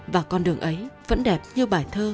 và con đường ấy vẫn đẹp như bài thơ